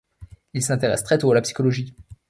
Il s'intéresse très tôt à la psychologie.